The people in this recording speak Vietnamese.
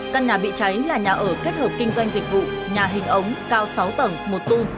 căn nhà bị cháy là nhà ở kết hợp kinh doanh dịch vụ nhà hình ống cao sáu tầng một tung